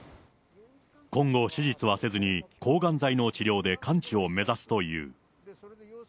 今後、手術はせずに、抗がん剤の治療で完治を目指すという。